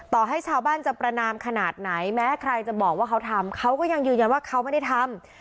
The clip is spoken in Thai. ต่อให้ชาวบ้านจะประนามขนาดไหนแม้ใครจะบอกว่าเขาทำเขาก็ยังยืนยันว่าเขาไม่ได้ทำ